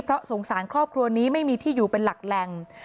เพราะสงสารครอบครัวนี้ไม่มีที่อยู่เป็นหลักแหล่ง